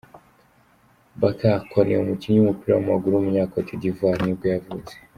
Bakari Koné, umukinnyi w’umupira w’amaguru w’umunya-Cote D’ivoire nibwo yavutse.